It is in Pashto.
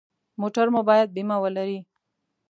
موټر مو باید بیمه ولري.